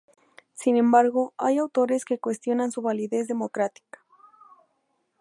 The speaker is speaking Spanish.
Sin embargo, hay autores que cuestionan su validez democrática.